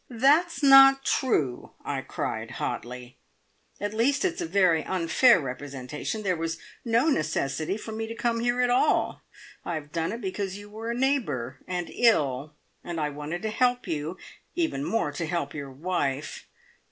"That's not true!" I cried hotly. "At least, it's a very unfair representation. There was no necessity for me to come here at all. I have done it because you were a neighbour, and ill, and I wanted to help you and even more to help your wife.